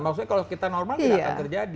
maksudnya kalau kita normal tidak akan terjadi